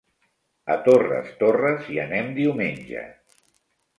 A Torres Torres hi anem diumenge.